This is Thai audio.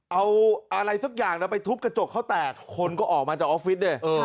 เอาอะไรสักอย่างไปทุบกระจกเขาแตกคนก็ออกมาจากออฟฟิศดิ